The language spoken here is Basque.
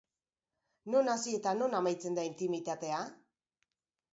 Non hasi eta non amaitzen da intimitatea?